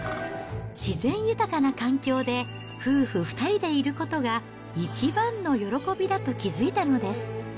自然豊かな環境で、夫婦２人でいることが、一番の喜びだと気付いたのです。